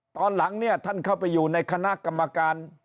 ตอนหลังเนี่ยท่านเข้าไปอยู่ในคณะกรรมการ